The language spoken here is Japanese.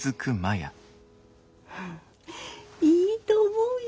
いいと思うよ！